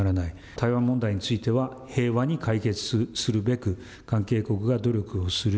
対話問題については、平和に解決するべく、関係国が努力をする。